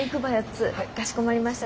かしこまりました。